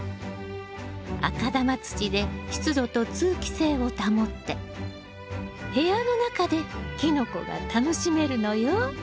赤玉土で湿度と通気性を保って部屋の中でキノコが楽しめるのよ。